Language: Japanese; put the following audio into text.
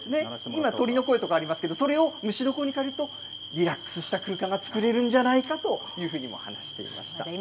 今、鳥の声とかありますけど、それを虫の声に変えると、リラックスした空間が作れるんじゃないかということを話していました。